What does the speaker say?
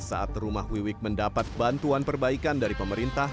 saat rumah wiwik mendapat bantuan perbaikan dari pemerintah